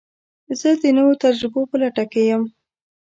زه د نوو تجربو په لټه کې یم.